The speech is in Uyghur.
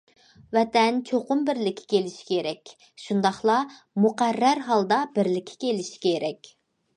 ۋەتەن چوقۇم بىرلىككە كېلىشى كېرەك، شۇنداقلا مۇقەررەر ھالدا بىرلىككە كېلىشى كېرەك.